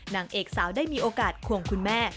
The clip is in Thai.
นางเอกสาวได้มีโอกาสควงคุณแม่